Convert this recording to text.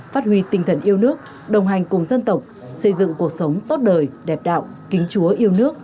phát huy tinh thần yêu nước đồng hành cùng dân tộc xây dựng cuộc sống tốt đời đẹp đạo kính chúa yêu nước